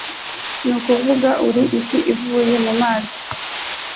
Nukuvuga, uri ifi ivuye mumazi.